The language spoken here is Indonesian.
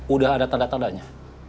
udah ada tanda tandanya